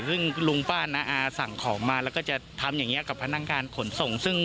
ซึ่งลุงป้าน้าอาสั่งของมาแล้วก็จะทำอย่างนี้กับพนักงานขนส่งซึ่ง